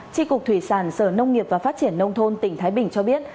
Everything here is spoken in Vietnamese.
tri cục thủy sản sở nông nghiệp và phát triển nông thôn tỉnh thái bình cho biết